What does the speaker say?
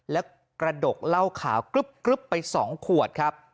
และกระดกเหล้าขาวกรึ๊บไป๒ขวดครับ